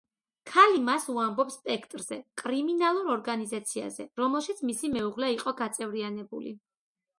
ქალი მას უამბობს „სპექტრზე“, კრიმინალურ ორგანიზაციაზე, რომელშიც მისი მეუღლე იყო გაწევრიანებული.